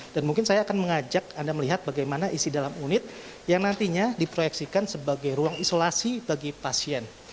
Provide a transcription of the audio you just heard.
dan mungkin saya akan mengajak anda melihat bagaimana isi dalam unit yang nantinya diproyeksikan sebagai ruang isolasi bagi pasien